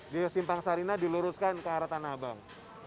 di simpang sarina diluruskan ke arah tanah abang